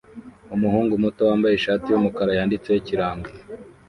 Umuhungu muto wambaye ishati yumukara yanditseho ikirango